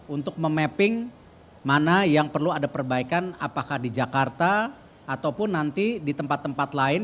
untuk memapping mana yang perlu ada perbaikan apakah di jakarta ataupun nanti di tempat tempat lain